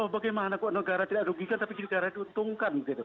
bagaimana kok negara tidak rugikan tapi negara untungkan